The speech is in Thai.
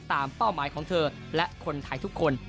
เป้าหมายของเธอและคนไทยทุกคน